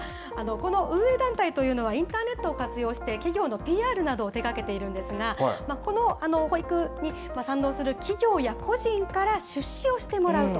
この運営団体というのは、インターネットを活用して企業のＰＲなどを手がけているんですが、この保育に賛同する企業や個人から出資をしてもらうと。